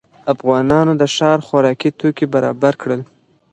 افغانانو د ښار خوراکي توکي برابر کړل.